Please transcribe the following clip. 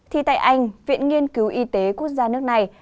thì tại anh viện nghiên cứu y tế quốc gia nước này